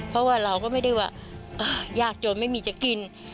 เพราะว่าเราก็ไม่ได้ว่ายากจนไม่มีจะกิน